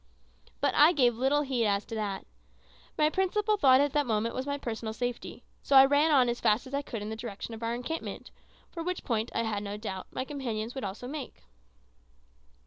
But I gave little heed to that. My principal thought at that moment was my personal safety; so I ran on as fast as I could in the direction of our encampment, for which point, I had no doubt, my companions would also make.